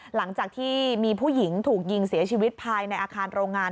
หลังจากที่มีผู้หญิงถูกยิงเสียชีวิตภายในอาคารโรงงาน